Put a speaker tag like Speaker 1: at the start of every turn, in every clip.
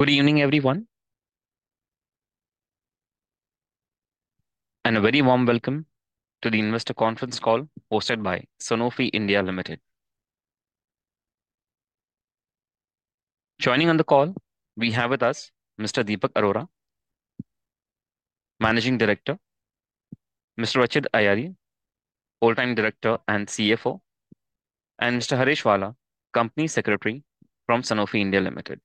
Speaker 1: Good evening, everyone. A very warm welcome to the investor conference call hosted by Sanofi India Limited. Joining on the call we have with us Mr. Deepak Arora, Managing Director, Mr. Rachid Ayari, Whole Time Director and CFO, and Mr. Haresh Vala, Company Secretary from Sanofi India Limited.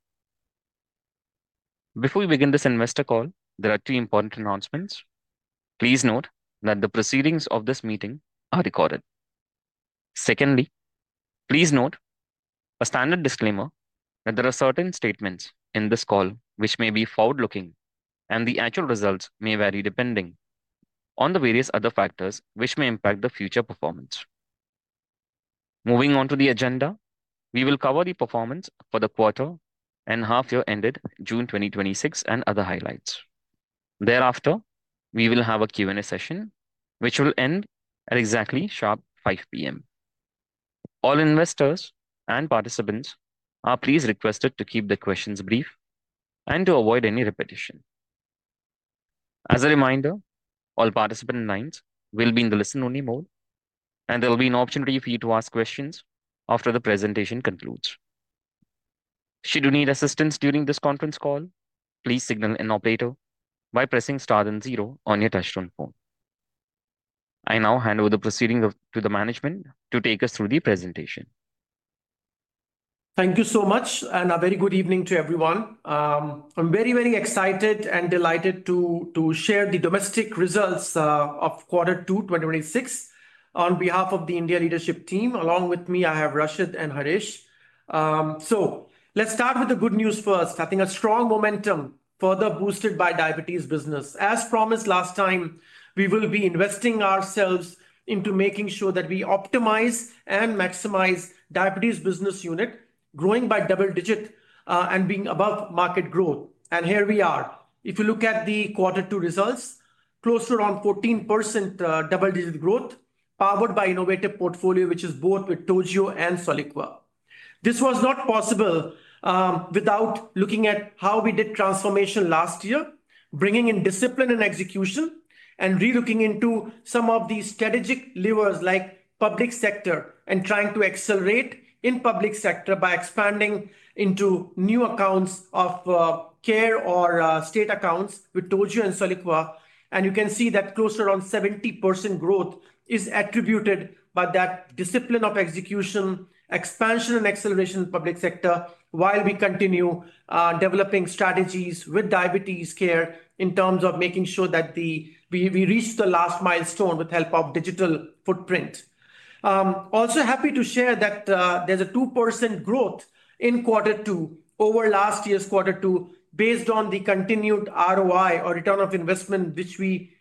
Speaker 1: Before we begin this investor call, there are two important announcements. Please note that the proceedings of this meeting are recorded. Secondly, please note a standard disclaimer that there are certain statements in this call which may be forward-looking, and the actual results may vary depending on the various other factors which may impact the future performance. Moving on to the agenda, we will cover the performance for the quarter and half year ended June 2026 and other highlights. Thereafter, we will have a Q&A session, which will end at exactly sharp 5:00 P.M. All investors and participants are please requested to keep their questions brief and to avoid any repetition. As a reminder, all participant lines will be in the listen-only mode, and there will be an opportunity for you to ask questions after the presentation concludes. Should you need assistance during this conference call, please signal an operator by pressing star and zero on your touchtone phone. I now hand over the proceedings to the management to take us through the presentation.
Speaker 2: Thank you so much. A very good evening to everyone. I'm very excited and delighted to share the domestic results of quarter two 2026 on behalf of the India leadership team. Along with me, I have Rachid and Haresh. Let's start with the good news first. I think a strong momentum further boosted by diabetes business. As promised last time, we will be investing ourselves into making sure that we optimize and maximize diabetes business unit, growing by double-digit, and being above market growth. Here we are. If you look at the quarter two results, close to around 14% double-digit growth powered by innovative portfolio, which is both with Toujeo and Soliqua. This was not possible, without looking at how we did transformation last year, bringing in discipline and execution, re-looking into some of the strategic levers like public sector and trying to accelerate in public sector by expanding into new CARE Accounts or state accounts with Toujeo and Soliqua. You can see that close to around 70% growth is attributed by that discipline of execution, expansion and acceleration in public sector while we continue developing strategies with diabetes care in terms of making sure that we reach the last milestone with help of digital footprint. Also happy to share that there's a 2% growth in quarter two over last year's quarter two based on the continued ROI or return of investment, which we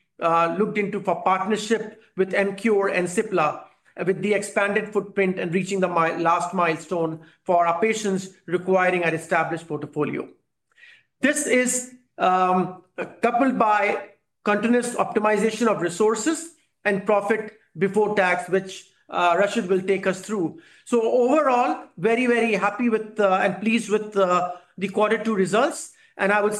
Speaker 2: looked into for partnership with Emcure and Cipla with the expanded footprint and reaching the last milestone for our patients requiring an established portfolio. This is coupled by continuous optimization of resources and profit before tax, which Rachid will take us through. Overall, very, very happy with and pleased with the quarter two results. I would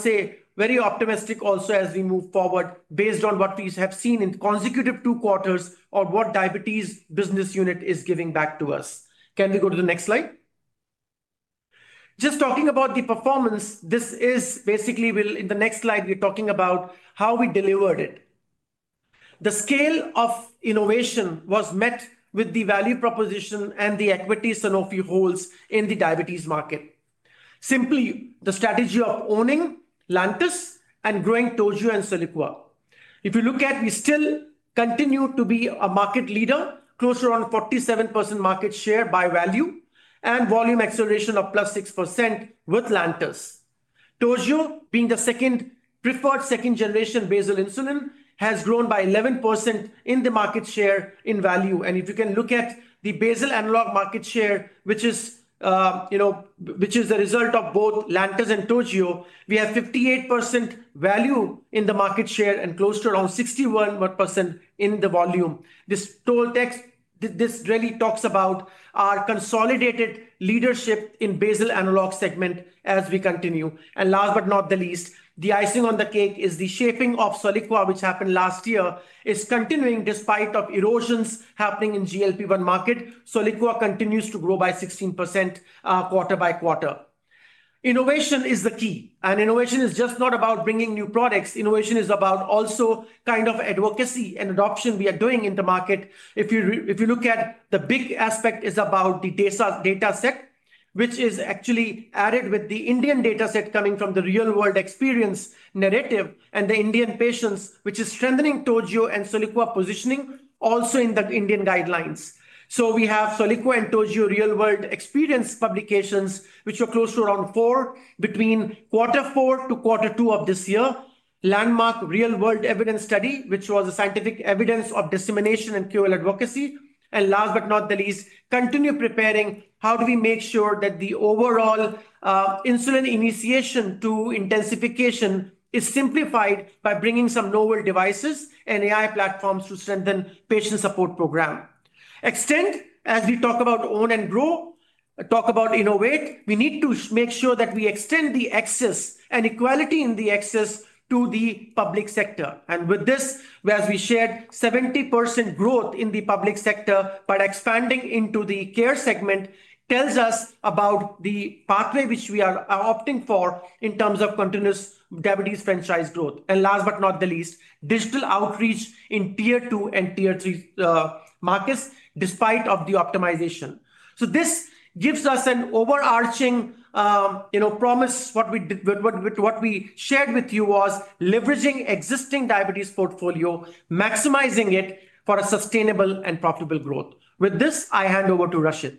Speaker 2: say very optimistic also as we move forward based on what we have seen in consecutive two quarters of what diabetes business unit is giving back to us. Can we go to the next slide? Just talking about the performance, in the next slide, we're talking about how we delivered it. The scale of innovation was met with the value proposition and the equity Sanofi holds in the diabetes market. Simply, the strategy of owning Lantus and growing Toujeo and Soliqua. If you look at, we still continue to be a market leader, close to around 47% market share by value and volume acceleration of +6% with Lantus. Toujeo being the preferred second-generation basal insulin has grown by 11% in the market share in value. If you can look at the basal analog market share, which is the result of both Lantus and Toujeo, we have 58% value in the market share and close to around 61% in the volume. This really talks about our consolidated leadership in basal analog segment as we continue. Last but not the least, the icing on the cake is the shaping of Soliqua, which happened last year, is continuing despite of erosions happening in GLP-1 market. Soliqua continues to grow by 16%, quarter by quarter. Innovation is the key. Innovation is just not about bringing new products. Innovation is about also kind of advocacy and adoption we are doing in the market. If you look at the big aspect is about the DESA data set, which is actually added with the Indian data set coming from the real-world experience narrative and the Indian patients, which is strengthening Toujeo and Soliqua positioning also in the Indian guidelines. We have Soliqua and Toujeo real world experience publications, which were close to around four between quarter four to quarter two of this year.. Landmark real world evidence study, which was a scientific evidence of dissemination and KOL advocacy. Last but not the least, continue preparing how do we make sure that the overall insulin initiation to intensification is simplified by bringing some novel devices and AI platforms to strengthen patient support program. Extend, as we talk about own and grow, talk about innovate, we need to make sure that we extend the access and equality in the access to the public sector. With this, whereas we shared 70% growth in the public sector by expanding into the CARE segment, tells us about the pathway which we are opting for in terms of continuous diabetes franchise growth. Last but not the least, digital outreach in Tier 2 and Tier 3 markets despite of the optimization. This gives us an overarching promise. What we shared with you was leveraging existing diabetes portfolio, maximizing it for a sustainable and profitable growth. With this, I hand over to Rachid.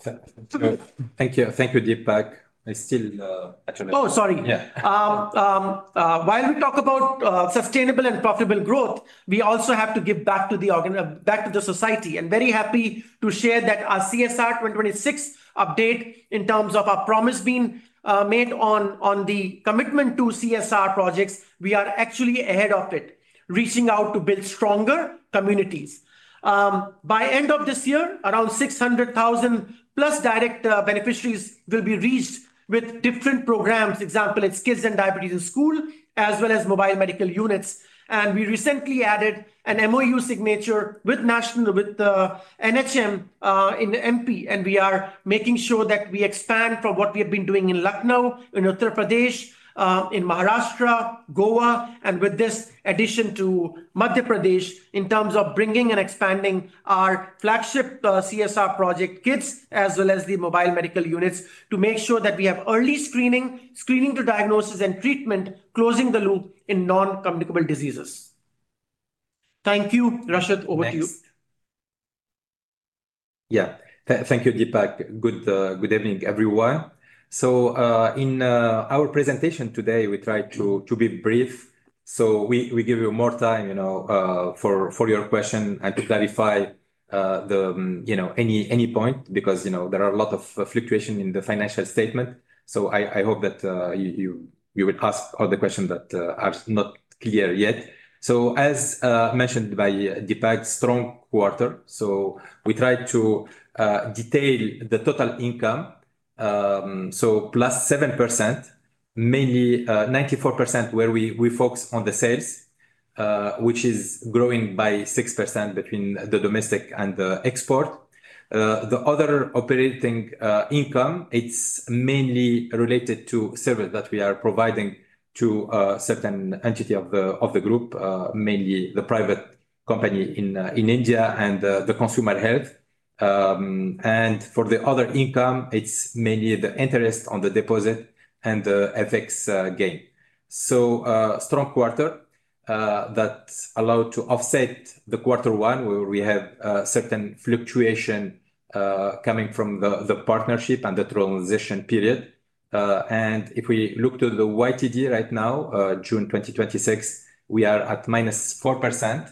Speaker 3: Thank you. Thank you, Deepak.
Speaker 2: Oh, sorry.
Speaker 3: Yeah.
Speaker 2: While we talk about sustainable and profitable growth, we also have to give back to the society. Very happy to share that our CSR 2026 update in terms of our promise being made on the commitment to CSR projects, we are actually ahead of it, reaching out to build stronger communities. By end of this year, around 600,000+ direct beneficiaries will be reached with different programs, example, it's Kids and Diabetes in School, as well as mobile medical units. We recently added an MoU signature with NHM in MP, and we are making sure that we expand from what we have been doing in Lucknow, in Uttar Pradesh, in Maharashtra, Goa, and with this addition to Madhya Pradesh in terms of bringing and expanding our flagship CSR project Kids, as well as the mobile medical units, to make sure that we have early screening to diagnosis and treatment, closing the loop in non-communicable diseases. Thank you. Rachid, over to you.
Speaker 3: Thanks. Thank you, Deepak. Good evening, everyone. In our presentation today, we try to be brief so we give you more time for your question and to clarify any point, because there are a lot of fluctuation in the financial statement. I hope that you will ask all the questions that are not clear yet. As mentioned by Deepak, strong quarter, we try to detail the total income +7%, mainly 94% where we focus on the sales, which is growing by 6% between the domestic and the export. The other operating income, it's mainly related to service that we are providing to a certain entity of the group, mainly the private company in India and the consumer health. For the other income, it's mainly the interest on the deposit and the FX gain. Strong quarter that allowed to offset the quarter one, where we have certain fluctuation coming from the partnership and the transition period. If we look to the YTD right now, June 2026, we are at -4%,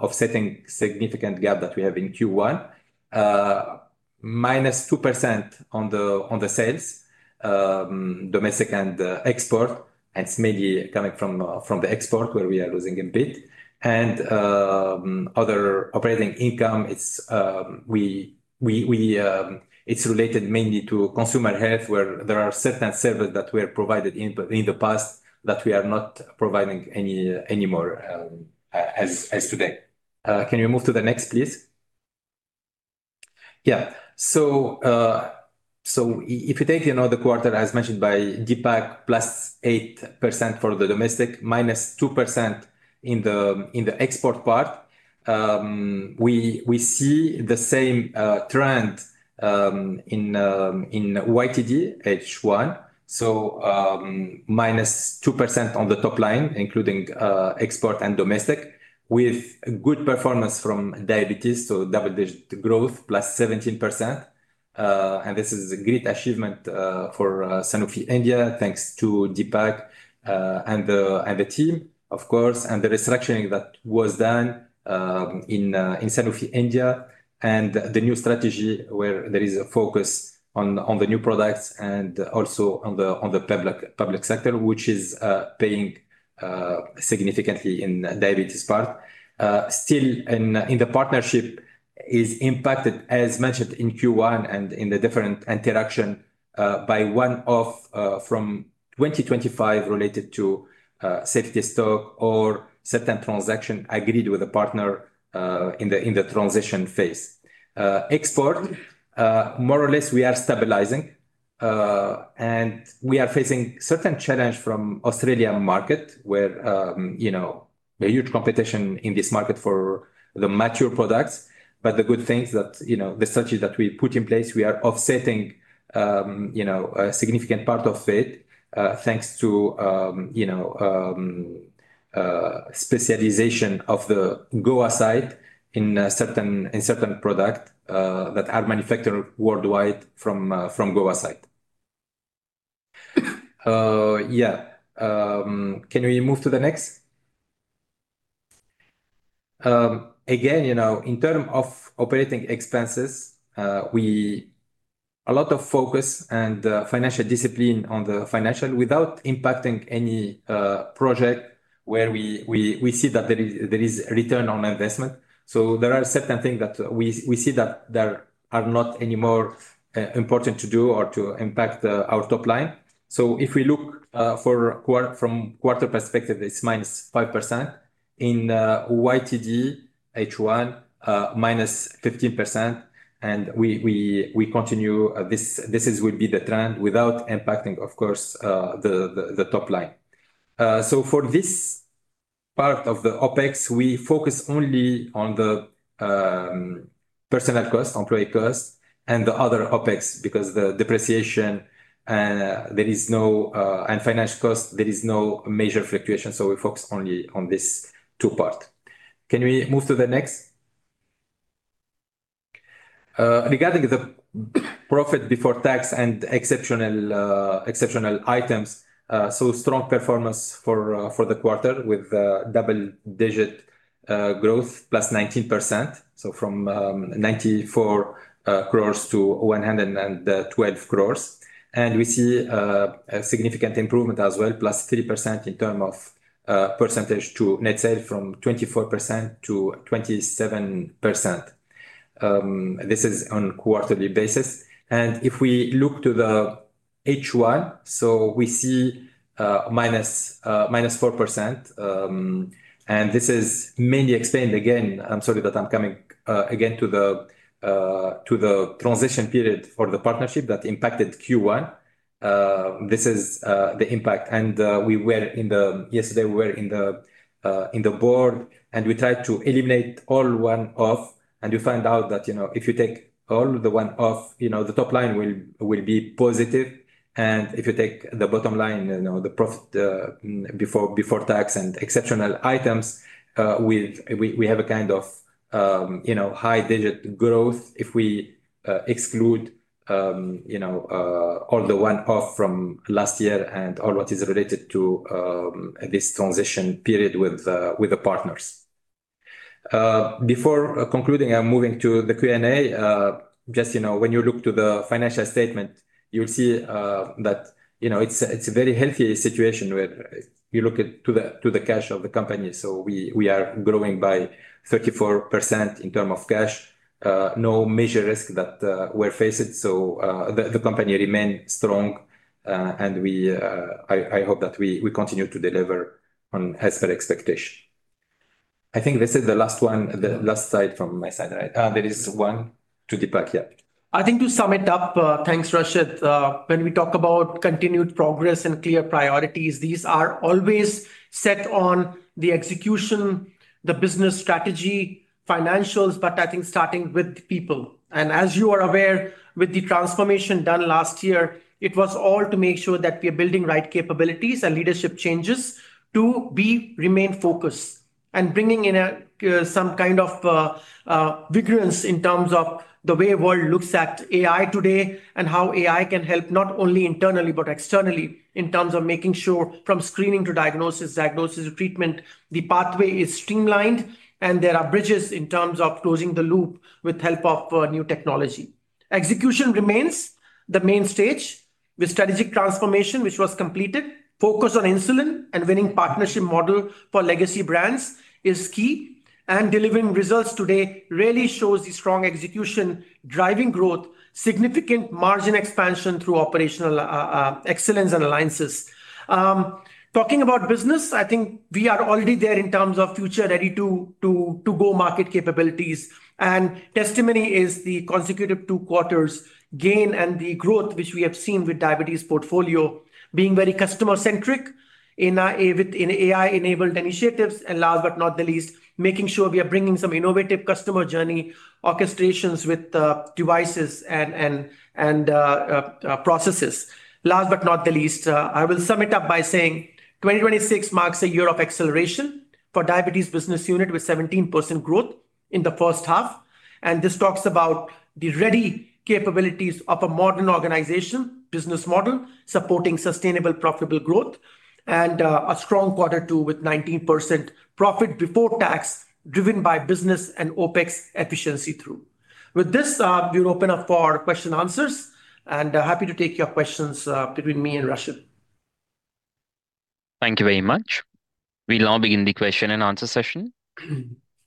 Speaker 3: offsetting significant gap that we have in Q1, -2% on the sales, domestic and export. It's mainly coming from the export, where we are losing a bit. Other operating income, it's related mainly to consumer health, where there are certain services that were provided in the past that we are not providing anymore as today. Can we move to the next, please? If you take another quarter, as mentioned by Deepak, +8% for the domestic, -2% in the export part. We see the same trend in YTD H1. -2% on the top line, including export and domestic, with good performance from diabetes, double-digit growth, +17%. This is a great achievement for Sanofi India, thanks to Deepak and the team, of course, and the restructuring that was done in Sanofi India, and the new strategy where there is a focus on the new products and also on the public sector, which is paying significantly in diabetes part. Still in the partnership is impacted, as mentioned in Q1 and in the different interaction, by one-off from 2025 related to safety stock or certain transaction agreed with a partner in the transition phase. Export, more or less we are stabilizing. We are facing certain challenge from Australia market where a huge competition in this market for the mature products. The good things that the strategies that we put in place, we are offsetting a significant part of it, thanks to specialization of the Goa site in certain product that are manufactured worldwide from Goa site. Can we move to the next? Again, in term of operating expenses, we have a lot of focus and financial discipline on the financial without impacting any project where we see that there is a return on investment. There are certain things that we see that are not any more important to do or to impact our top line. If we look from quarter perspective, it's -5%, in YTD H1, -15%, and we continue. This will be the trend without impacting, of course, the top line. For this part of the OpEx, we focus only on the personnel cost, employee cost, and the other OpEx, because the depreciation and financial cost, there is no major fluctuation. We focus only on these two parts. Can we move to the next? Regarding the profit before tax and exceptional items, strong performance for the quarter with double-digit growth, +19%. From 94 crore to 112 crore. We see a significant improvement as well, +3% in term of percentage to net sale from 24% to 27%. This is on quarterly basis. If we look to the H1, we see -4%. This is mainly explained, again, I'm sorry that I'm coming again to the transition period for the partnership that impacted Q1. This is the impact. Yesterday we were in the board, we tried to eliminate all one-off, we find out that if you take all the one-off, the top line will be positive. If you take the bottom line, the profit before tax and exceptional items, we have a kind of high digit growth if we exclude all the one-off from last year and all what is related to this transition period with the partners. Before concluding and moving to the Q&A, just when you look to the financial statement, you'll see that it's a very healthy situation where you look to the cash of the company. We are growing by 34% in term of cash. No major risk that we're facing. The company remain strong, and I hope that we continue to deliver on stakeholder expectation. I think this is the last one, the last slide from my side, right? There is one to Deepak, yeah.
Speaker 2: I think to sum it up, thanks, Rachid. When we talk about continued progress and clear priorities, these are always set on the execution, the business strategy, financials, but I think starting with people. As you are aware, with the transformation done last year, it was all to make sure that we are building right capabilities and leadership changes to be remain focused and bringing in some kind of vigilance in terms of the way world looks at AI today and how AI can help, not only internally, but externally, in terms of making sure from screening to diagnosis to treatment, the pathway is streamlined, and there are bridges in terms of closing the loop with help of new technology. Execution remains the main stage with strategic transformation, which was completed. Focus on insulin and winning partnership model for legacy brands is key. Delivering results today really shows the strong execution, driving growth, significant margin expansion through operational excellence and alliances. Talking about business, I think we are already there in terms of future ready to go market capabilities. Testimony is the consecutive two quarters gain and the growth which we have seen with diabetes portfolio being very customer-centric in AI-enabled initiatives. Last but not the least, making sure we are bringing some innovative customer journey orchestrations with devices and processes. Last but not the least, I will sum it up by saying 2026 marks a year of acceleration for diabetes business unit with 17% growth in the first half. This talks about the ready capabilities of a modern organization business model supporting sustainable, profitable growth and a strong quarter two with 19% profit before tax, driven by business and OpEx efficiency through. With this, we would open up for question answers. Happy to take your questions between me and Rachid.
Speaker 1: Thank you very much. We'll now begin the question and answer session.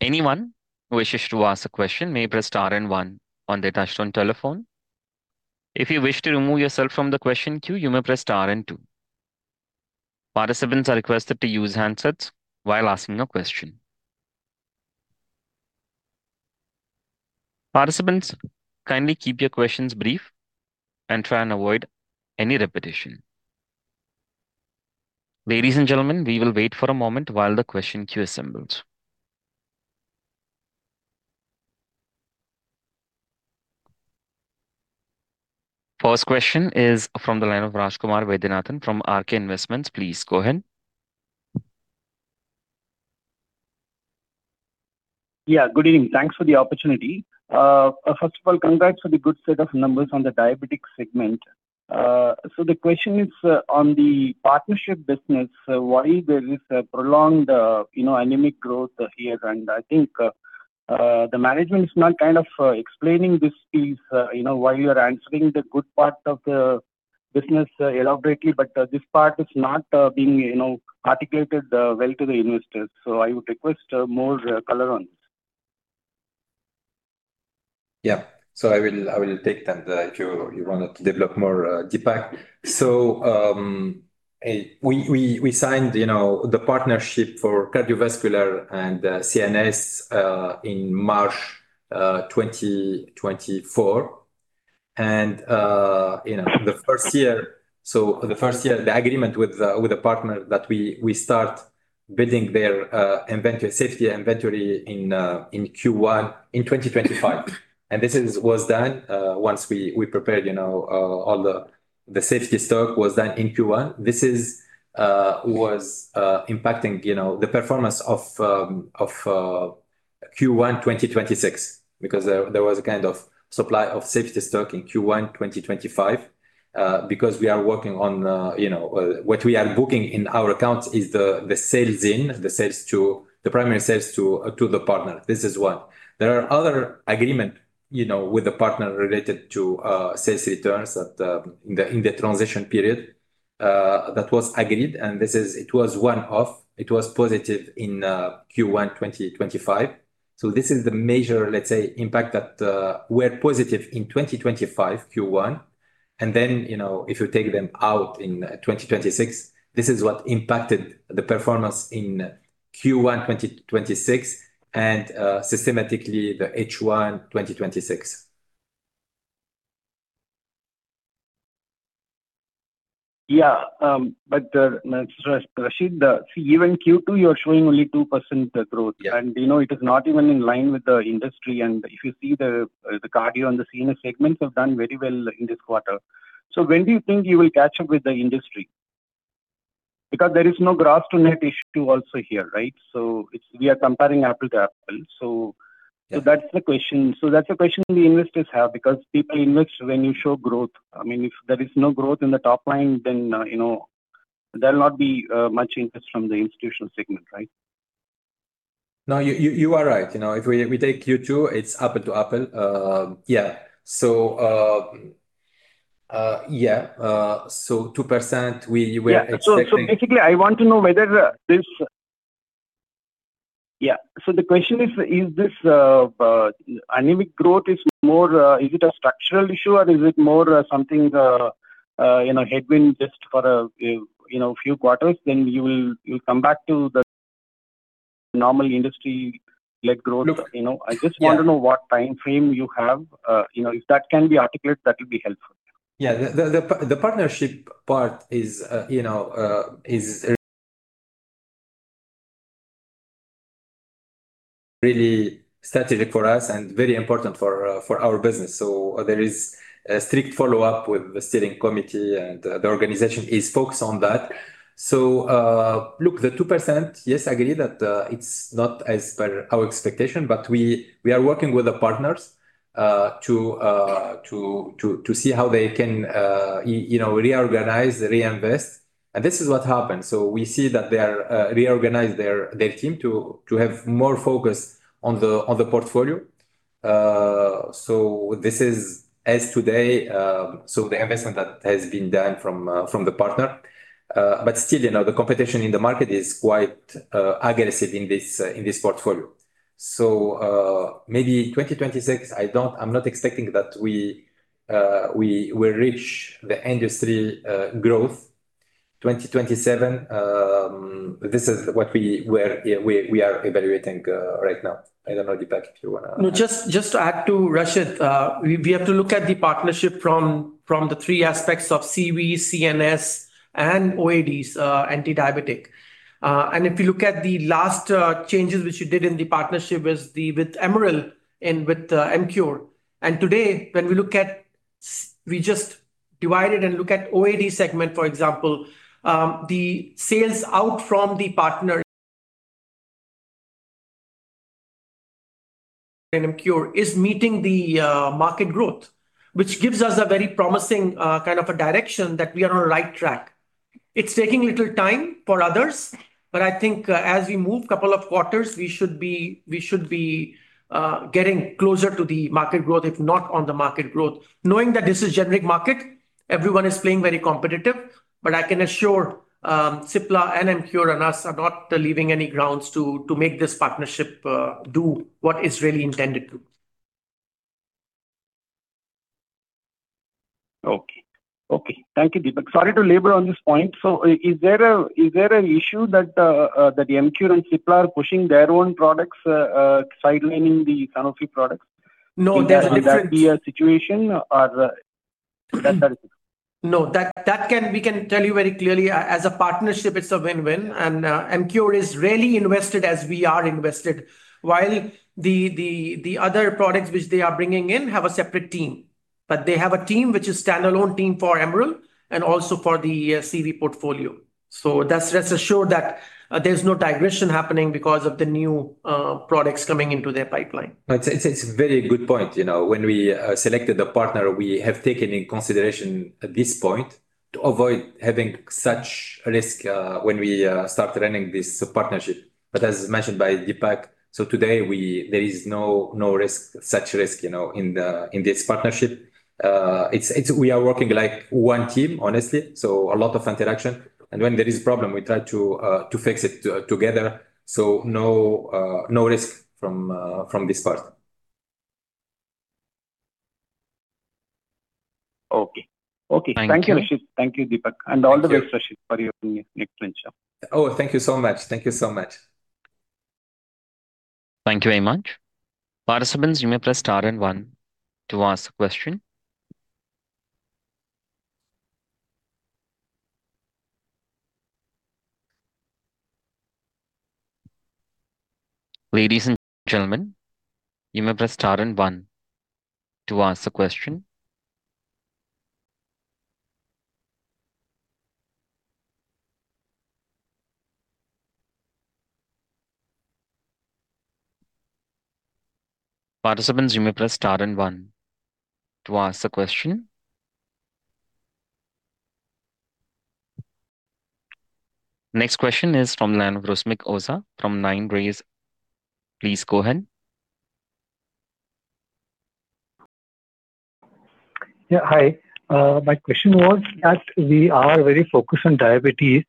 Speaker 1: Anyone who wishes to ask a question may press star and one on their touchtone telephone. If you wish to remove yourself from the question queue, you may press star and two. Participants are requested to use handsets while asking a question. Participants, kindly keep your questions brief and try and avoid any repetition. Ladies and gentlemen, we will wait for a moment while the question queue assembles. First question is from the line of Rajkumar Vaidyanathan from RK Investments. Please go ahead.
Speaker 4: Yeah. Good evening. Thanks for the opportunity. First of all, congrats for the good set of numbers on the diabetic segment. The question is on the partnership business, why there is a prolonged anemic growth here? I think the management is not explaining this piece, while you are answering the good part of the business elaborately, but this part is not being articulated well to the investors. I would request more color on this.
Speaker 3: Yeah. I will take that. You wanted to develop more, Deepak. We signed the partnership for cardiovascular and CNS in March 2024. The first year, the agreement with the partner that we start building their safety inventory in Q1 in 2025. This was done once we prepared all the safety stock was done in Q1. This was impacting the performance of Q1 2026. There was a kind of supply of safety stock in Q1 2025, because what we are booking in our accounts is the sales in, the primary sales to the partner. This is one. There are other agreements with the partner related to sales returns in the transition period that was agreed, and it was one-off. It was positive in Q1 2025. This is the major, let's say, impact that were positive in 2025, Q1. If you take them out in 2026, this is what impacted the performance in Q1 2026, and systematically the H1 2026.
Speaker 4: Yeah. Rachid, see, even Q2, you are showing only 2% growth.
Speaker 3: Yeah.
Speaker 4: It is not even in line with the industry. If you see, the cardio and the senior segments have done very well in this quarter. When do you think you will catch up with the industry? There is no grass to net issue also here, right? We are comparing apple to apple.
Speaker 3: Yeah
Speaker 4: That's the question. That's the question the investors have, because people invest when you show growth. If there is no growth in the top line, then there'll not be much interest from the institutional segment, right?
Speaker 3: No, you are right. If we take Q2, it's apple to apple. 2%, we were expecting-
Speaker 4: The question is this anemic growth, is it a structural issue, or is it more something headwind just for a few quarters, then you'll come back to the normal industry-led growth?
Speaker 3: Look-
Speaker 4: I just want to know.
Speaker 3: Yeah
Speaker 4: what timeframe you have. If that can be articulated, that will be helpful.
Speaker 3: Yeah. The partnership part is really strategic for us and very important for our business. There is a strict follow-up with the steering committee, and the organization is focused on that. Look, the 2%, yes, I agree that it's not as per our expectation, but we are working with the partners to see how they can reorganize, reinvest. This is what happened. We see that they reorganized their team to have more focus on the portfolio. This is as today, the investment that has been done from the partner. Still, the competition in the market is quite aggressive in this portfolio. Maybe 2026, I'm not expecting that we will reach the industry growth. 2027, this is what we are evaluating right now. I don't know, Deepak, if you want to-
Speaker 2: No, just to add to, Rachid, we have to look at the partnership from the three aspects of CV, CNS, and OADs, anti-diabetic. If you look at the last changes which you did in the partnership was with Emerald and with Emcure. Today, when we just divide it and look at OAD segment, for example, the sales out from the partner Emcure is meeting the market growth. Which gives us a very promising kind of a direction that we are on the right track. It's taking little time for others, but I think as we move couple of quarters, we should be getting closer to the market growth, if not on the market growth. Knowing that this is generic market, everyone is playing very competitive. I can assure Cipla and Emcure and us are not leaving any grounds to make this partnership do what it's really intended to.
Speaker 4: Thank you, Deepak. Sorry to labor on this point. Is there an issue that Emcure and Cipla are pushing their own products, sidelining the Sanofi products?
Speaker 2: No, there's a difference.
Speaker 4: Would that be a situation or that is-
Speaker 2: No, we can tell you very clearly. As a partnership, it's a win-win, and Emcure is really invested as we are invested. While the other products which they are bringing in have a separate team. They have a team which is standalone team for Emerald and also for the CV portfolio. That's assured that there's no diversion happening because of the new products coming into their pipeline.
Speaker 3: It's a very good point. When we selected the partner, we have taken in consideration at this point to avoid having such risk when we start running this partnership. As mentioned by Deepak, today there is no such risk in this partnership. We are working like one team, honestly, a lot of interaction. When there is problem, we try to fix it together. No risk from this part.
Speaker 2: Okay.
Speaker 4: Thank you. Thank you, Rachid. Thank you, Deepak.
Speaker 2: Thank you.
Speaker 4: all the best, Rachid, for your new adventure.
Speaker 3: Oh, thank you so much. Thank you so much.
Speaker 1: Thank you very much. Participants, you may press star and one to ask a question. Ladies and gentlemen, you may press star and one to ask a question. Participants, you may press star and one to ask a question. Next question is from Nan Rusmik Oza from 9 Rays. Please go ahead.
Speaker 5: Yeah. Hi. My question was that we are very focused on diabetes.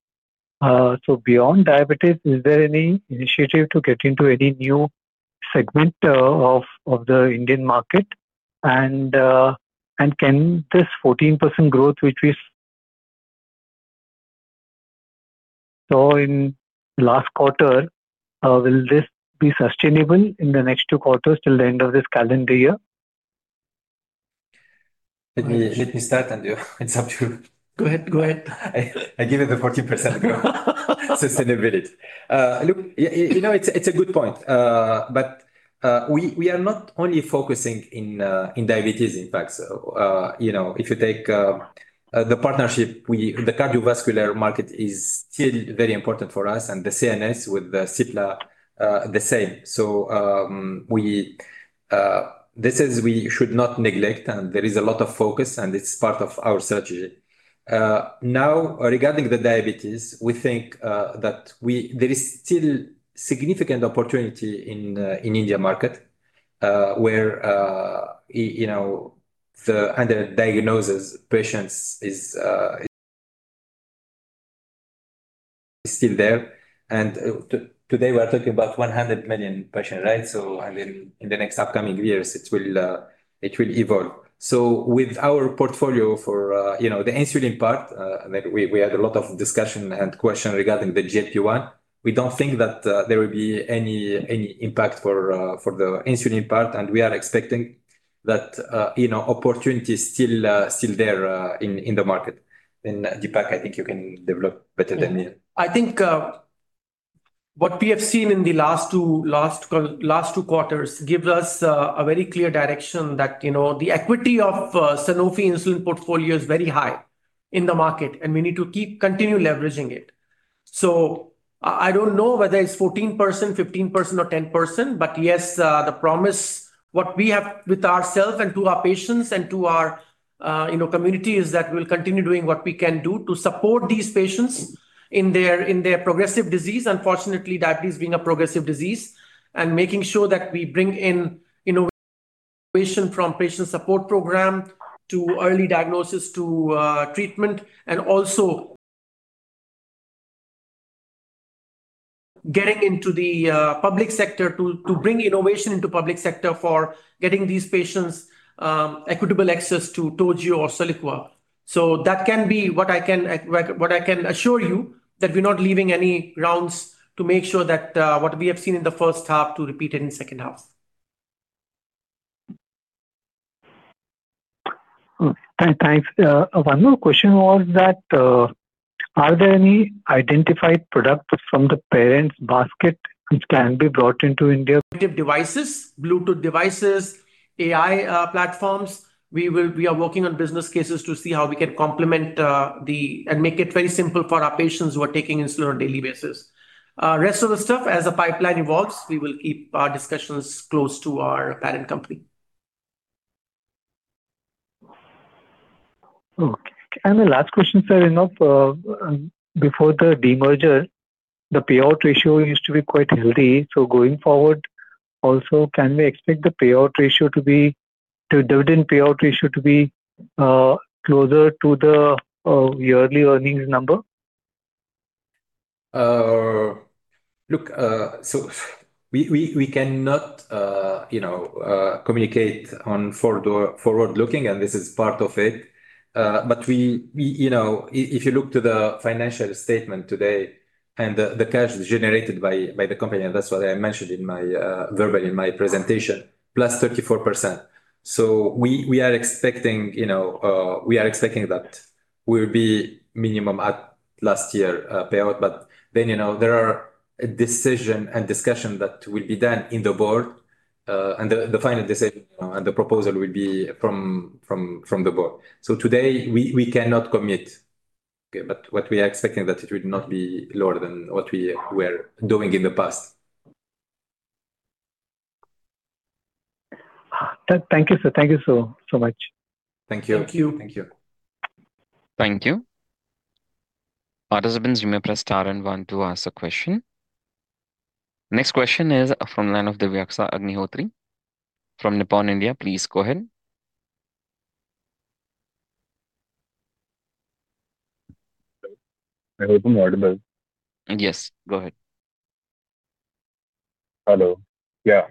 Speaker 5: Beyond diabetes, is there any initiative to get into any new segment of the Indian market? Can this 14% growth, which we saw in last quarter, will this be sustainable in the next two quarters till the end of this calendar year?
Speaker 3: Let me start, and it's up to
Speaker 2: Go ahead. Go ahead.
Speaker 3: I give you the 14% growth- sustainability. Look, it's a good point. We are not only focusing in diabetes, in fact. If you take the partnership, the cardiovascular market is still very important for us and the CNS with the Cipla the same. This is we should not neglect, and there is a lot of focus, and it's part of our strategy. Now regarding the diabetes, we think that there is still significant opportunity in India market, where the under-diagnosis patients is still there. Today we are talking about 100 million patients, right? In the next upcoming years, it will evolve. With our portfolio for the insulin part, maybe we had a lot of discussion and question regarding the GLP-1. We don't think that there will be any impact for the insulin part, and we are expecting that opportunity is still there in the market. Deepak, I think you can develop better than me.
Speaker 2: Yeah. I think what we have seen in the last two quarters gives us a very clear direction that the equity of Sanofi insulin portfolio is very high in the market, and we need to keep continuing leveraging it. I don't know whether it's 14%, 15% or 10%, but yes, the promise what we have with ourselves and to our patients and to our community is that we'll continue doing what we can do to support these patients in their progressive disease, unfortunately, diabetes being a progressive disease. Making sure that we bring innovation from patient support program to early diagnosis, to treatment, and also getting into the public sector to bring innovation into public sector for getting these patients equitable access to Toujeo or Soliqua. That can be what I can assure you, that we're not leaving any rounds to make sure that what we have seen in the first half to repeat it in second half.
Speaker 5: Thanks. One more question was that, are there any identified products from the parent basket which can be brought into India?
Speaker 2: Creative devices, Bluetooth devices, AI platforms. We are working on business cases to see how we can complement and make it very simple for our patients who are taking insulin on a daily basis. Rest of the stuff, as the pipeline evolves, we will keep our discussions close to our parent company.
Speaker 5: Okay. The last question, sir. Before the demerger, the payout ratio used to be quite healthy. Going forward, also, can we expect the dividend payout ratio to be closer to the yearly earnings number?
Speaker 3: Look, we cannot communicate on forward-looking, and this is part of it. If you look to the financial statement today and the cash generated by the company, and that's what I mentioned verbally in my presentation, +34%. We are expecting that will be minimum at last year payout. There are decision and discussion that will be done in the board, and the final decision and the proposal will be from the board. Today, we cannot commit. Okay? What we are expecting, that it will not be lower than what we were doing in the past.
Speaker 5: Thank you, sir. Thank you so much.
Speaker 3: Thank you.
Speaker 5: Thank you.
Speaker 2: Thank you.
Speaker 1: Thank you. Participants, you may press star and one to ask a question. Next question is from the line of Divyaxa Agnihotri from Nippon India. Please go ahead.
Speaker 6: I hope I'm audible.
Speaker 1: Yes. Go ahead.
Speaker 6: Hello. Yeah.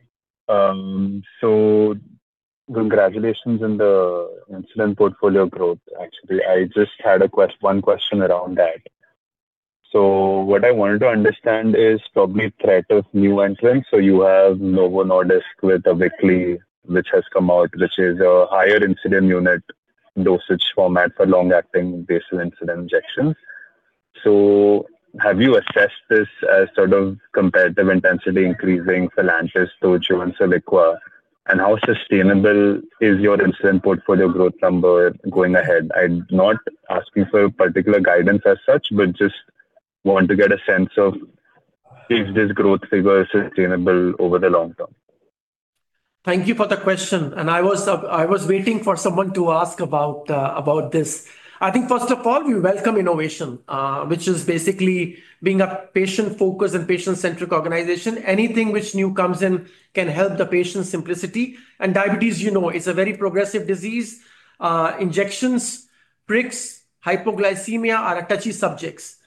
Speaker 6: Congratulations on the insulin portfolio growth, actually. I just had one question around that. What I wanted to understand is probably threat of new entrants. You have Novo Nordisk with a weekly which has come out, which is a higher insulin unit dosage format for long-acting basal insulin injections. Have you assessed this as sort of comparative intensity increasing for Lantus, Toujeo, and Soliqua, and how sustainable is your insulin portfolio growth number going ahead? I am not asking for particular guidance as such, but just want to get a sense of if this growth figure is sustainable over the long term.
Speaker 2: Thank you for the question. I was waiting for someone to ask about this. I think first of all, we welcome innovation, which is basically being a patient-focused and patient-centric organization. Anything which new comes in can help the patient simplicity, and diabetes, you know, is a very progressive disease. Injections, pricks, hypoglycemia are touchy subjects.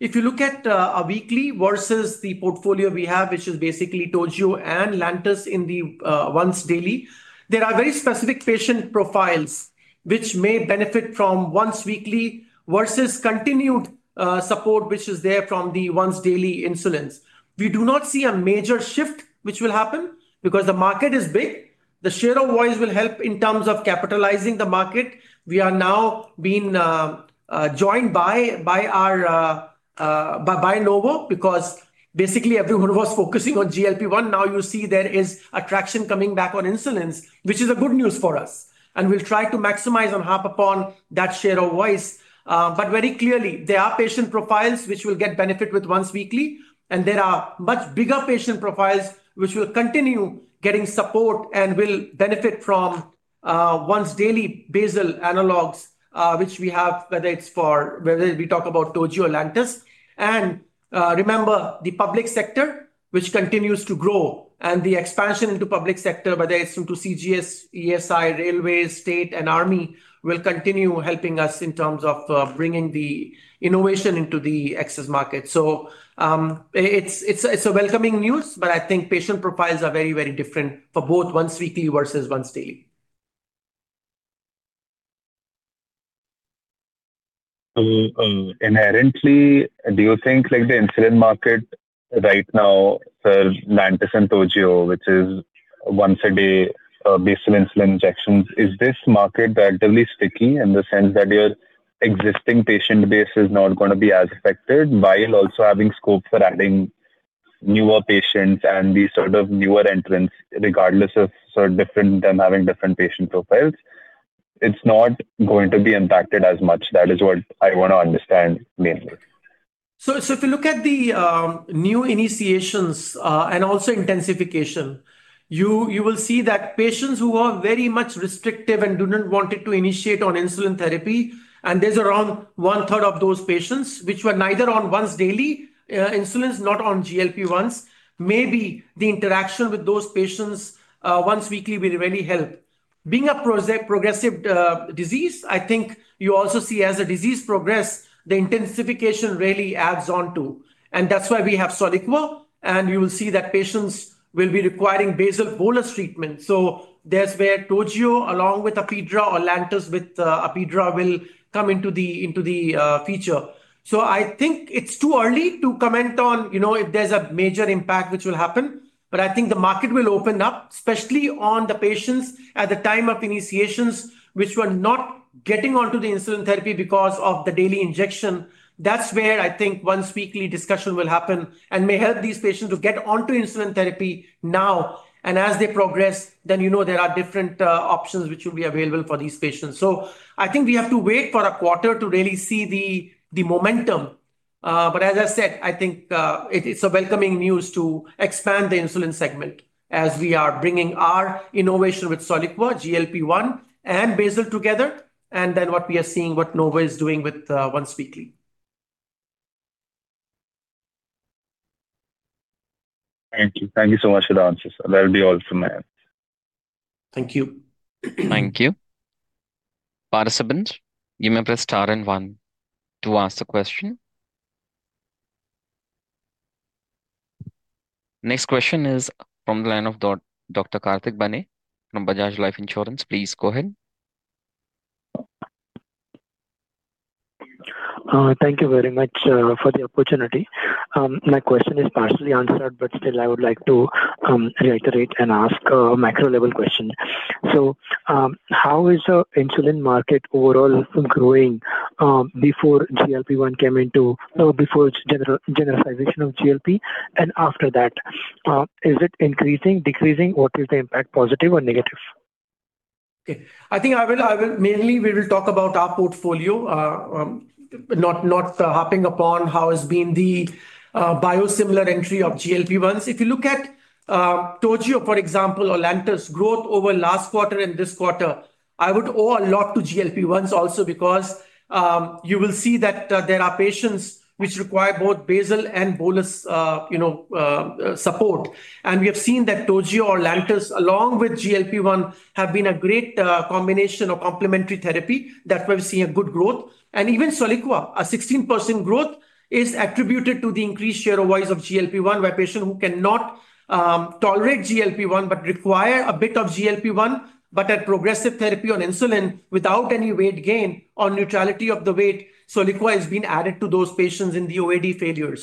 Speaker 2: If you look at, weekly versus the portfolio we have, which is basically Toujeo and Lantus in the once daily, there are very specific patient profiles which may benefit from once weekly versus continued support, which is there from the once daily insulins. We do not see a major shift which will happen because the market is big. The share of voice will help in terms of capitalizing the market. We are now being joined by Novo, because basically everyone was focusing on GLP-1. Now you see there is a traction coming back on insulins, which is a good news for us, and we'll try to maximize and harp upon that share of voice. Very clearly, there are patient profiles which will get benefit with once weekly, and there are much bigger patient profiles which will continue getting support and will benefit from once daily basal analogs, which we have, whether we talk about Toujeo or Lantus. Remember, the public sector, which continues to grow, and the expansion into public sector, whether it's through to CGHS, ESIC, railways, state, and army, will continue helping us in terms of bringing the innovation into the excess market. It's a welcoming news, but I think patient profiles are very, very different for both once weekly versus once daily.
Speaker 6: Inherently, do you think the insulin market right now for Lantus and Toujeo, which is once-a-day basal insulin injections, is this market relatively sticky in the sense that your existing patient base is not going to be as affected while also having scope for adding newer patients and these sort of newer entrants, regardless of them having different patient profiles? It's not going to be impacted as much. That is what I want to understand mainly.
Speaker 2: If you look at the new initiations, and also intensification, you will see that patients who are very much restrictive and do not want it to initiate on insulin therapy, and there's around one third of those patients, which were neither on once daily insulins, nor on GLP-1s. Maybe the interaction with those patients, once weekly will really help. Being a progressive disease, I think you also see as the disease progress, the intensification really adds on too. That's why we have Soliqua, and you will see that patients will be requiring basal bolus treatment. That's where Toujeo, along with Apidra or Lantus with Apidra will come into the future. I think it's too early to comment on if there's a major impact which will happen. I think the market will open up, especially on the patients at the time of initiations, which were not getting onto the insulin therapy because of the daily injection. That's where I think once weekly discussion will happen and may help these patients to get onto insulin therapy now. As they progress, then there are different options which will be available for these patients. I think we have to wait for a quarter to really see the momentum. As I said, I think, it's a welcoming news to expand the insulin segment as we are bringing our innovation with Soliqua, GLP-1, and basal together, and then what we are seeing what Novo is doing with once weekly.
Speaker 6: Thank you. Thank you so much for the answer, sir. That'll be all from my end.
Speaker 2: Thank you.
Speaker 1: Thank you. Participants, you may press star and one to ask a question. Next question is from the line of Dr. Kartick Bane from Bajaj Life Insurance. Please go ahead.
Speaker 7: Thank you very much for the opportunity. My question is partially answered, but still I would like to reiterate and ask a macro level question. How is the insulin market overall growing, before GLP-1 came into Before generalization of GLP-1 and after that. Is it increasing, decreasing, or is the impact positive or negative?
Speaker 2: Okay. I think mainly we will talk about our portfolio, not harping upon how has been the biosimilar entry of GLP-1s. If you look at Toujeo, for example, or Lantus growth over last quarter and this quarter, I would owe a lot to GLP-1s also because you will see that there are patients which require both basal and bolus support. We have seen that Toujeo or Lantus, along with GLP-1, have been a great combination of complementary therapy that we've seen a good growth. Even Soliqua, a 16% growth is attributed to the increased share of voice of GLP-1, where patient who cannot tolerate GLP-1, but require a bit of GLP-1, but at progressive therapy on insulin without any weight gain or neutrality of the weight, Soliqua has been added to those patients in the OAD failure.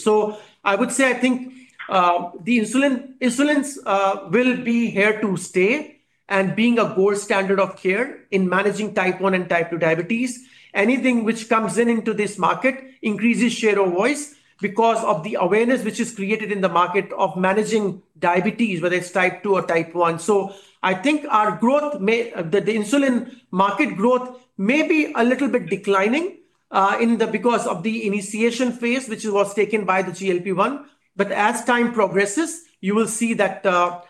Speaker 2: I would say, I think insulins will be here to stay and being a gold standard of care in managing Type 1 and Type 2 diabetes. Anything which comes in into this market increases share of voice because of the awareness which is created in the market of managing diabetes, whether its Type 2 or Type 1. I think the insulin market growth may be a little bit declining because of the initiation phase, which was taken by the GLP-1. As time progresses, you will see that a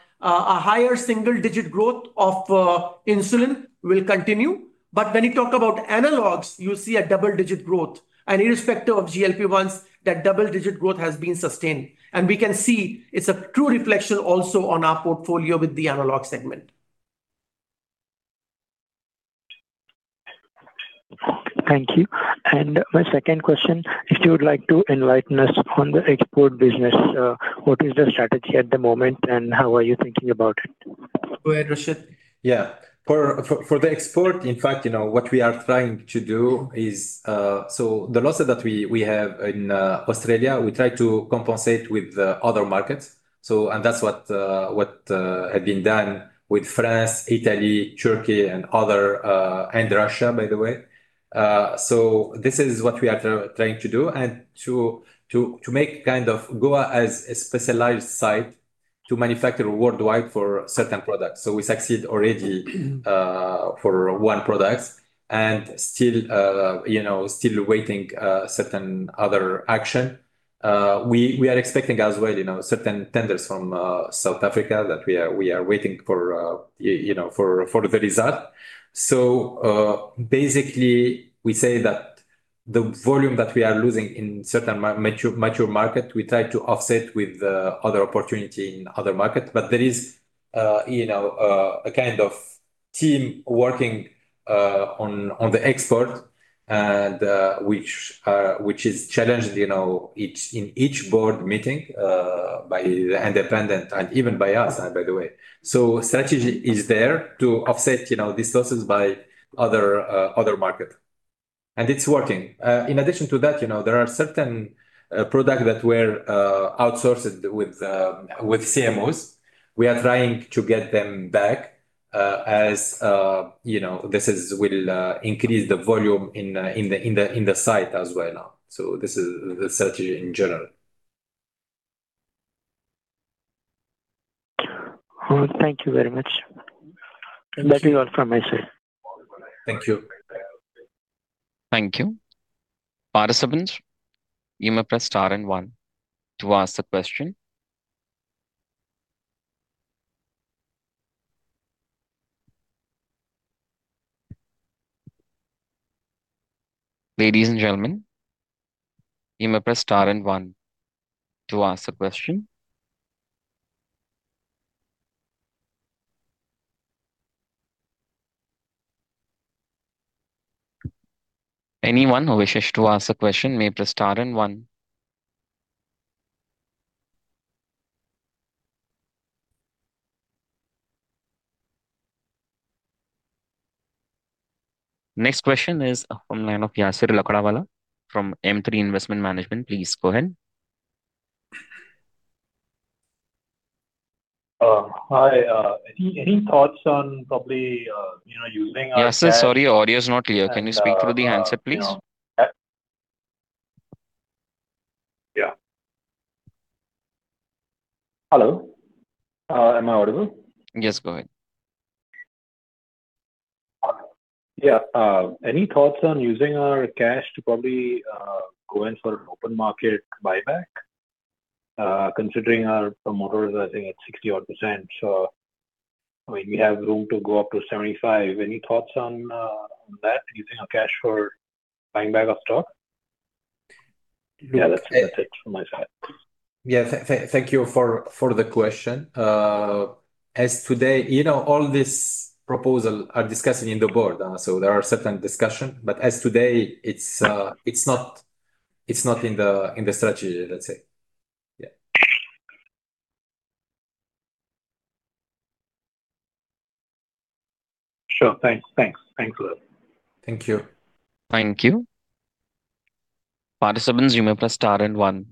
Speaker 2: higher single-digit growth of insulin will continue. Irrespective of GLP-1s, that double-digit growth has been sustained. We can see it's a true reflection also on our portfolio with the analog segment.
Speaker 7: Thank you. My second question, if you would like to enlighten us on the export business. What is the strategy at the moment, and how are you thinking about it?
Speaker 2: Go ahead, Rachid.
Speaker 3: For the export, in fact, what we are trying to do is, the losses that we have in Australia, we try to compensate with other markets. That's what had been done with France, Italy, Turkey and Russia, by the way. This is what we are trying to do, and to make kind of Goa as a specialized site to manufacture worldwide for certain products. We succeed already for one product and still waiting certain other action. We are expecting as well certain tenders from South Africa that we are waiting for the result. Basically, we say that the volume that we are losing in certain mature market, we try to offset with other opportunity in other market. There is a kind of team working on the export and which is challenged in each board meeting by the independent, and even by us, by the way. Strategy is there to offset these losses by other market, and it's working. In addition to that, there are certain products that were outsourced with CMOs. We are trying to get them back as this will increase the volume in the site as well now. This is the strategy in general.
Speaker 7: Thank you very much.
Speaker 3: Thank you.
Speaker 7: That is all from my side.
Speaker 3: Thank you.
Speaker 1: Thank you. Participants, you may press star and one to ask the question. Ladies and gentlemen, you may press star and one to ask a question. Anyone who wishes to ask a question may press star and one. Next question is from line of Yasser Lakdawala from M3 Investment Management. Please go ahead.
Speaker 8: Hi. Any thoughts on probably using our cash-
Speaker 1: Yasser, sorry, your audio is not clear. Can you speak through the handset, please?
Speaker 8: Hello, am I audible?
Speaker 1: Yes, go ahead.
Speaker 8: Any thoughts on using our cash to probably go in for an open market buyback? Considering our promoters are, I think, at 60% odd, so we have room to go up to 75%. Any thoughts on that, using our cash for buying back of stock? That's it from my side.
Speaker 3: Thank you for the question. All these proposal are discussed in the board. There are certain discussion, but as today, it's not in the strategy, let's say.
Speaker 8: Sure. Thanks a lot.
Speaker 3: Thank you.
Speaker 1: Thank you. Participants, you may press star and one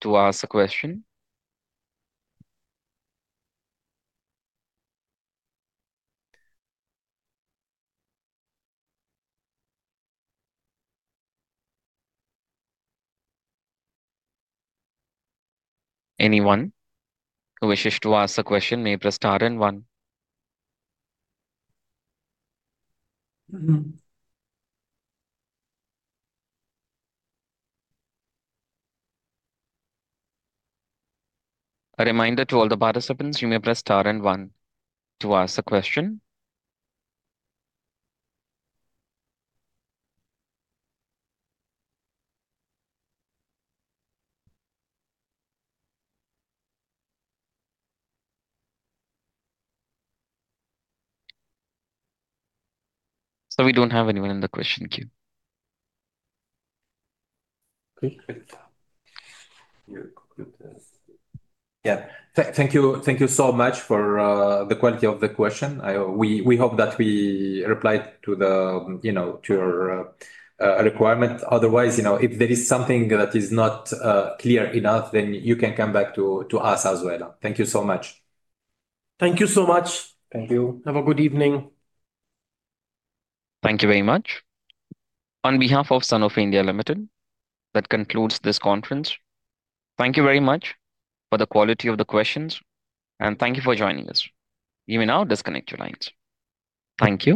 Speaker 1: to ask a question. Anyone who wishes to ask a question may press star and one. A reminder to all the participants, you may press star and one to ask a question. Sir, we don't have anyone in the question queue.
Speaker 2: Okay. We conclude this.
Speaker 3: Yeah. Thank you so much for the quality of the question. We hope that we replied to your requirement. Otherwise, if there is something that is not clear enough, then you can come back to us as well. Thank you so much.
Speaker 2: Thank you so much.
Speaker 3: Thank you.
Speaker 2: Have a good evening.
Speaker 1: Thank you very much. On behalf of Sanofi India Limited, that concludes this conference. Thank you very much for the quality of the questions and thank you for joining us. You may now disconnect your lines. Thank you